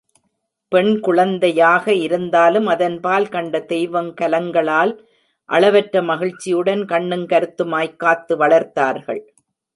பெண்குழந்தையாக இருந்தாலும் அதன்பால் கண்ட தெய்வங்கலங்களால் அளவற்ற மகிழ்ச்சியுடன் கண்ணுங் கருத்துமாய்க் காத்து வளர்த்தார்கள்.